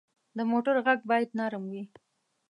د موټر غږ باید نرم وي.